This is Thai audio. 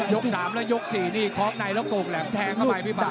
ยก๓และยก๔นี่คอบในแล้วกล่มแหลมแทงเข้าไปพี่ปาก